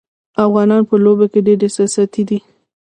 افغانان په لوبو کې ډېر احساساتي دي.